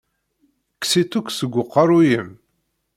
Kkes-itt akk seg uqeṛṛu-yim!